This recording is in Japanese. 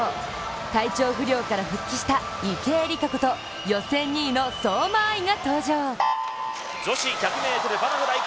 体調不良から復帰した池江璃花子と予選２位の相馬あいが登場。